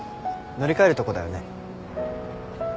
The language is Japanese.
乗り換えるとこだよね？